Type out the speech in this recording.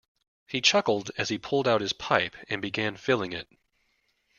He chuckled as he pulled out his pipe and began filling it.